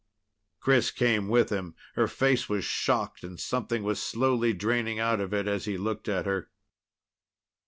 Chris came with him. Her face was shocked and something was slowly draining out of it as he looked at her.